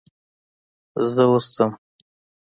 زه اوس ځم.